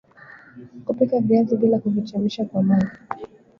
Kupika viazi bila kuvichemsha kwa maji